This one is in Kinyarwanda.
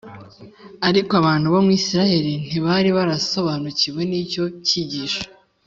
’ariko abantu bo mu Isiraheli ntibari barasobanukiwe n’icyo cyigisho.